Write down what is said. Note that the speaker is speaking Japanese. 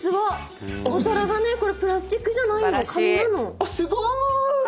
あっすごーい！